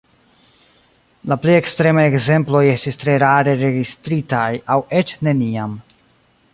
La plej ekstremaj ekzemploj estis tre rare registritaj aŭ eĉ neniam.